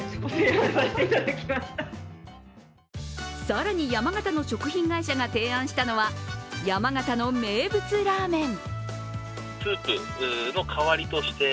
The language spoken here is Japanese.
更に山形の食品会社が提案したのは山形の名物ラーメン。